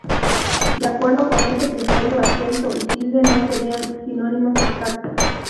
De acuerdo con ese criterio, "acento" y "tilde" no serían sinónimos exactos.